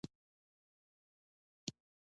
ميرويس خان وخندل: نو دا حملې به مياشتې وخت ونيسي.